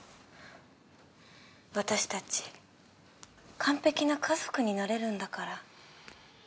私たち完璧な家族になれるんだから。